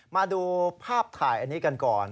มาดูภาพถ่ายอันนี้กันก่อน